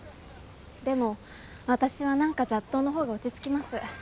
でも私はなんか雑踏のほうが落ち着きます。